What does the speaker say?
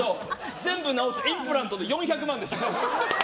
全部治してインプラントで４００万でした。